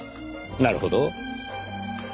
なるほど。